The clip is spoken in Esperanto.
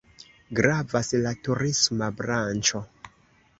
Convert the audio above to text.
Gravas la turisma branĉo.